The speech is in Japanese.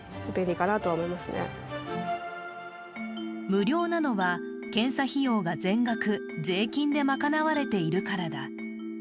無料なのは、検査費用が全額税金で賄われているからだ。